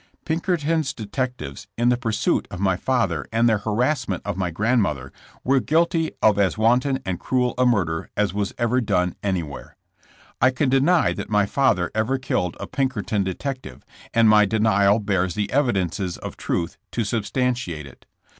Pinkerton 's detectives, in the pursuit of my father and their harassment of my grandmother, were guilty of as wanton and cruel a murder as was ever done anywhere. I can deny that my father ever killed a Pinkerton detective, and my denial bears the evidences of truth to substantiate it.